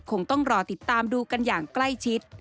คงต้องรอติดตามดูกันอย่างใกล้ชิด